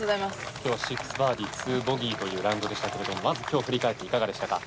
今日は６バーディー２ボギーというラウンドでしたがまず今日振り返っていかがでしたか？